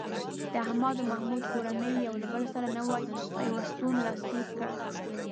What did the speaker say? د احمد او محمود کورنۍ یو له بل سره نوی پیوستون لاسلیک کړ.